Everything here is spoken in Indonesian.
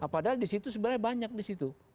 padahal disitu sebenarnya banyak disitu